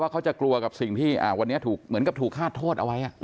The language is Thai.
เขาจะกลัวกับสิ่งที่วันนี้เหมือนกับถูกฆาตโทษเอาไว้